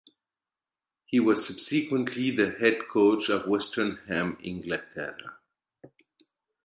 He was subsequently the Head coach of West Ham Inglaterra.